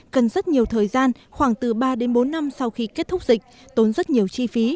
cần rất nhiều thời gian khoảng từ ba đến bốn năm sau khi kết thúc dịch tốn rất nhiều chi phí